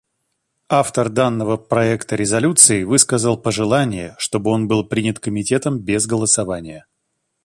Автор данного проекта резолюции высказал пожелание, чтобы он был принят Комитетом без голосования.